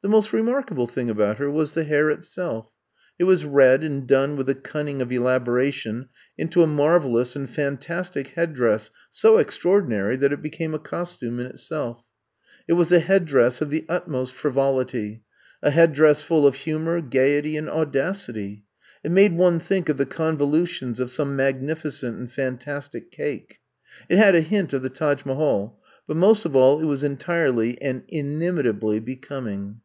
The most remarkable thing about her was the hair itself. It was red and done with the cunning of elaboration into a marvelous and fantastic headdress so extraordinary that it became a costume in itself. It was a headdress of the utmost frivolity, a headdress full of humor, gaiety and audacity. It made one think of the convolutions of some magnificent and fan tastic cake. It had a hint of the Taj Mahal, but most of all it was entirely and inimitably becoming.